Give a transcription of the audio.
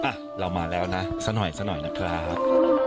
อ่ะเรามาแล้วนะสักหน่อยสักหน่อยนะครับ